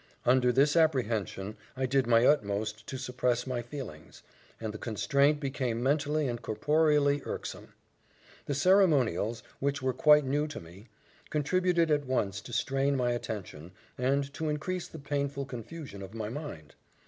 Under this apprehension, I did my utmost to suppress my feelings; and the constraint became mentally and corporeally irksome. The ceremonials, which were quite new to me, contributed at once to strain my attention, and to increase the painful confusion of my mind.